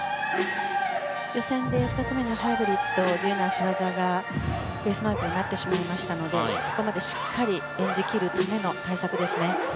予選で２つ目のハイブリッド、脚技がベースマークになってしまったのでそこまでしっかり演じ切るための対策ですね。